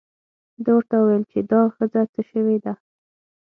ده ورته وویل چې دا ښځه څه شوې ده.